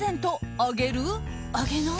あげない？